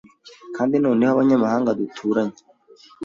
kandi noneho abanyamahanga duturanye